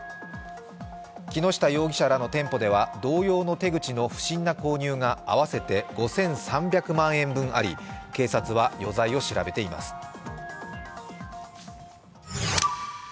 木下容疑者らの店舗では同様の手口の不審な購入が合わせて５３００万円分あり警察は余罪を調べています。